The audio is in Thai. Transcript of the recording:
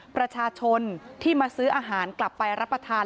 ประชาชนที่มาซื้ออาหารกลับไปรับประทาน